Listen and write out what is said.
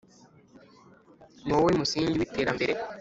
Ni wowe musingi w’iterambere